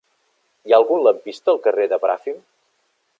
Hi ha algun lampista al carrer de Bràfim?